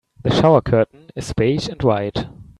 The shower curtain is beige and white.